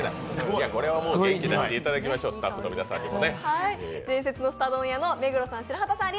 これは元気出してもらいましょう、スタッフの皆さんにも。